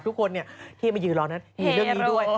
ทุกคนที่มายืนรอนั้นมีเรื่องนี้ด้วย